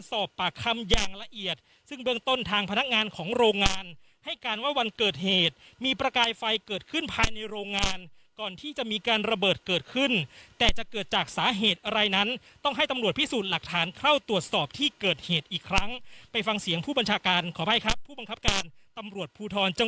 สอบปากคำอย่างละเอียดซึ่งเบื้องต้นทางพนักงานของโรงงานให้การว่าวันเกิดเหตุมีประกายไฟเกิดขึ้นภายในโรงงานก่อนที่จะมีการระเบิดเกิดขึ้นแต่จะเกิดจากสาเหตุอะไรนั้นต้องให้ตำรวจพิสูจน์หลักฐานเข้าตรวจสอบที่เกิดเหตุอีกครั้งไปฟังเสียงผู้บัญชาการขออภัยครับผู้บังคับการตำรวจภูทรจ